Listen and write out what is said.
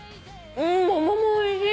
桃もおいしい。